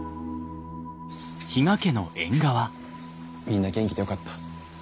みんな元気でよかった。